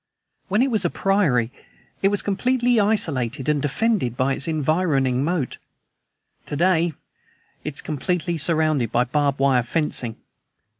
"When it was a priory it was completely isolated and defended by its environing moat. Today it is completely surrounded by barbed wire fencing.